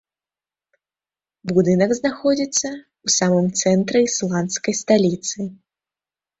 Будынак знаходзіцца ў самым цэнтры ісландскай сталіцы.